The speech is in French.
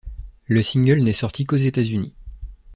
Le single n'est sorti qu'aux États-Unis.